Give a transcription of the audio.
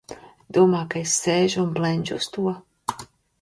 Domā, ka es sēžu un blenžu uz to?